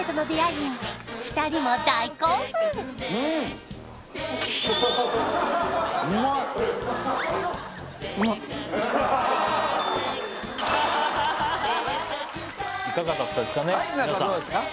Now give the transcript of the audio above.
いかがだったですかね